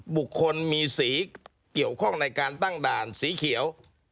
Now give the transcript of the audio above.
บุคคลมีสีเกี่ยวข้องในการตั้งด่านสีเขียว